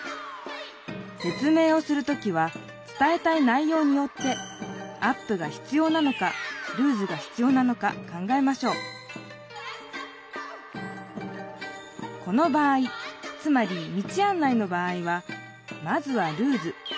説明をする時は伝えたい内ようによってアップがひつようなのかルーズがひつようなのか考えましょうこの場合つまり道あん内の場合はまずはルーズ。